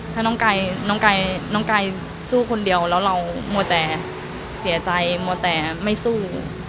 ถ้าน้องกายสู้คนเดียวแล้วเรามัวแต่เสียใจมัวแต่ไม่สู้